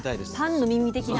パンのミミ的な。